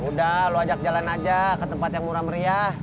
ya udah lu ajak jalan aja ke tempat lain ya pur ya serah lu